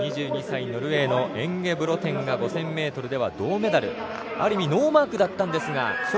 ２２歳ノルウェーのエンゲブロテンが５０００ｍで銅メダル、ある意味、ノーマークだったんですが。